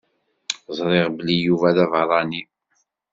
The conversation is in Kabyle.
Zṛiɣ belli Yuba d aberrani.